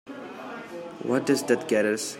What does that get us?